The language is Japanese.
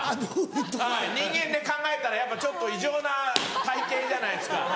人間で考えたらやっぱちょっと異常な体形じゃないですか。